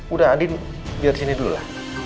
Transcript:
udah andin biar disini dulu